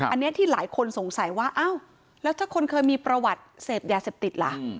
อันนี้ที่หลายคนสงสัยว่าอ้าวแล้วถ้าคนเคยมีประวัติเสพยาเสพติดล่ะ